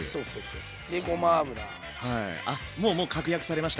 あっもうもう確約されました。